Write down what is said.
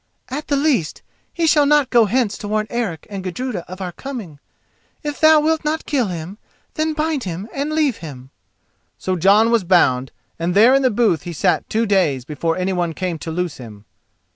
"At the least, he shall not go hence to warn Eric and Gudruda of our coming. If thou wilt not kill him, then bind him and leave him." So Jon was bound, and there in the booth he sat two days before anyone came to loose him.